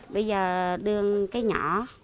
bây giờ đưa cái nhỏ